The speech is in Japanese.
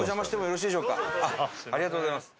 ありがとうございます。